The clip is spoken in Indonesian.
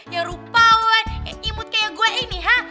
ya rupa lo yang imut kayak gue ini hah